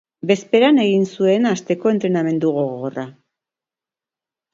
Bezperan egin zuen asteko entrenamendu gogorra